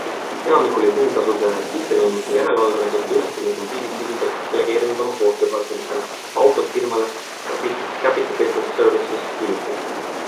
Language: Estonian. Enamiku litsentsitasude sissenõudmise ja järelvalvega seotud ülesandeid on BBC küll delegeerinud oma koostööpartneritele, autod firmale Capita Business Services Ltd.